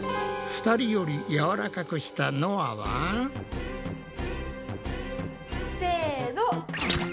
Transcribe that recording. ２人よりやわらかくしたのあは。せの！